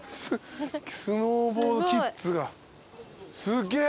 スノーボードキッズがすっげぇ。